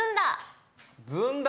「ずんだ」？